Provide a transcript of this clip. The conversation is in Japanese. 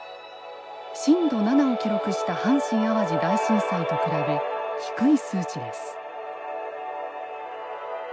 震度７を記録した阪神・淡路大震災と比べ低い数値です。